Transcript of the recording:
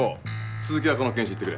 鈴木はこの検視行ってくれ。